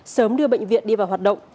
sớm đưa bệnh viện đi vào hoạt động